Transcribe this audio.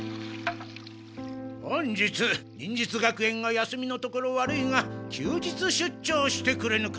本日忍術学園が休みのところ悪いが休日出張してくれぬか？